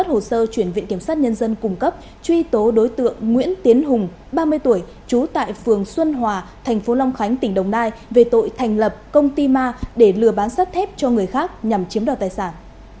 nguyễn tiến hùng ba mươi tuổi trú tại phường xuân hòa thành phố long khánh tỉnh đồng nai về tội thành lập công ty ma để lừa bán sắt thép cho người khác nhằm chiếm đoạt tài sản